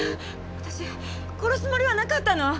私殺すつもりはなかったの！